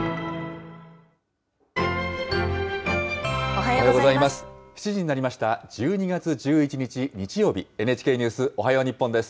おはようございます。